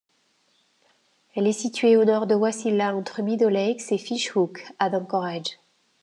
Elle est située au nord de Wasilla entre Meadow Lakes et Fishhook, à d'Anchorage.